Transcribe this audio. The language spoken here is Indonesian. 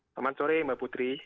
selamat sore mbak putri